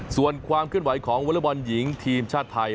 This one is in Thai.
ส่วนความเคลื่อนไหวของวอเล็กบอลหญิงทีมชาติไทย